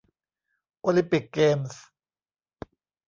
โอลิมปิกเกมส์